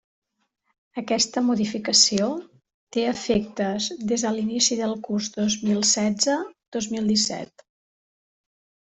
Aquesta modificació té efectes des de l'inici del curs dos mil setze-dos mil disset.